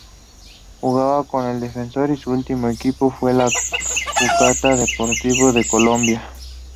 Jugaba como defensor y su último equipo fue el Cúcuta Deportivo de Colombia.